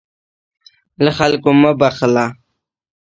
له خلکو مه بخله.